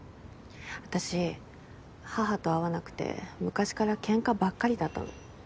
あたし母と合わなくて昔からケンカばっかりだったの。